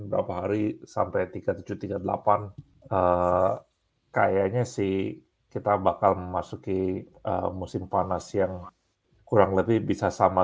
berapa hari sampai tiga puluh tujuh tiga puluh delapan kayaknya sih kita bakal memasuki musim panas yang kurang lebih bisa sama